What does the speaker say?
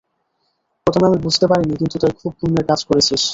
প্রথমে আমি বুঝতে পারিনি, কিন্তু তুই খুব পূন্যের কাজ করেছিস।